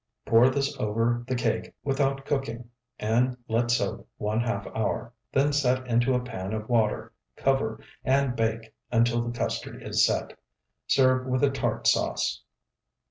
Pour this over the cake without cooking, and let soak one half hour, then set into a pan of water, cover, and bake until the custard is set. Serve with a tart sauce.